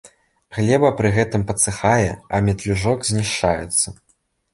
Глеба пры гэтым падсыхае, а метлюжок знішчаецца.